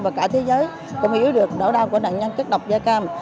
và cả thế giới cũng hiểu được nỗi đau của nạn nhân chất độc da cam